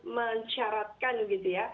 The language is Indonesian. mencaratkan gitu ya